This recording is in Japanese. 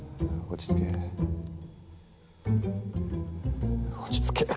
落ち着けっ！